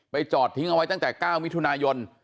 จอดทิ้งเอาไว้ตั้งแต่๙มิถุนายน